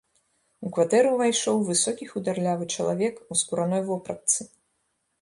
У кватэру ўвайшоў высокі хударлявы чалавек, у скураной вопратцы.